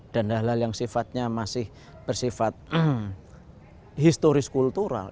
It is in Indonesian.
dan hal hal yang sifatnya masih bersifat historis kultural